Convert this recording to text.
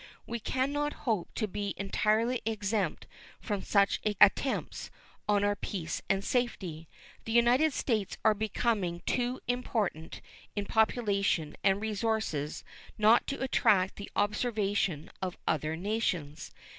We can not hope to be entirely exempt from such attempts on our peace and safety. The United States are becoming too important in population and resources not to attract the observation of other nations.